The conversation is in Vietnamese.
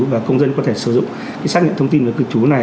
và công dân có thể sử dụng xác nhận thông tin về cư trú này